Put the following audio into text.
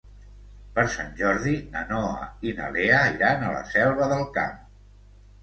Per Sant Jordi na Noa i na Lea iran a la Selva del Camp.